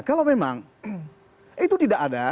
kalau memang itu tidak ada